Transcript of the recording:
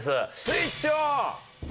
スイッチオン！